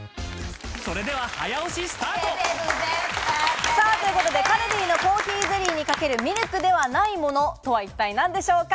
それでは早押しスタート。ということで、カルディのコーヒーゼリーにかけるミルクではないものとは一体何でしょうか？